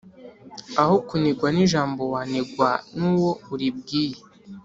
Aho kunigwa n’ijambo wanigwa n’uwo uribwiye.